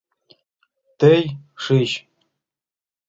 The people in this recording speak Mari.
Тый шич...